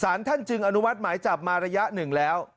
ท่านจึงอนุมัติหมายจับมาระยะหนึ่งแล้ว